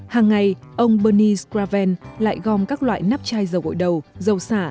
hàng ngày ông bernice graven lại gom các loại nắp chai dầu gội đầu dầu sả